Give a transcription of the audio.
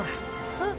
えっ？